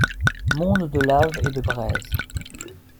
Monde de lave et de braise.